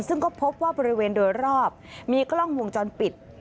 ซึ่งก็พบว่าบริเวณโดยรอบมีกล้องวงจรปิด